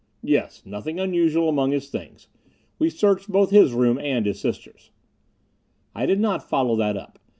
"Yes. Nothing unusual among his things. We searched both his room and his sister's." I did not follow that up.